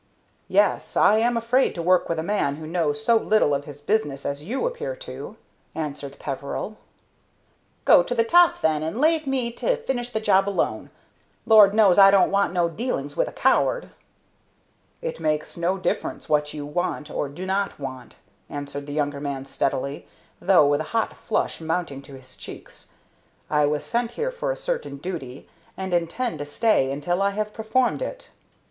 "Yes, I am afraid to work with a man who knows so little of his business as you appear to," answered Peveril. "Go to the top then, and lave me to finish the job alone. Lord knows, I don't want no dealings with a coward." "It makes no difference what you want or do not want," answered the younger man steadily, though with a hot flush mounting to his cheeks. "I was sent here for a certain duty, and intend to stay until I have performed it."